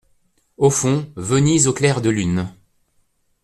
Au fond, Venise au clair de lune.